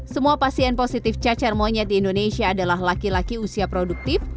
semua pasien positif cacar monyet di indonesia adalah laki laki usia produktif